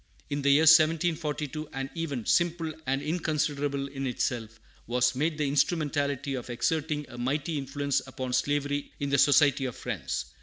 In the year 1742 an event, simple and inconsiderable in itself, was made the instrumentality of exerting a mighty influence upon slavery in the Society of Friends.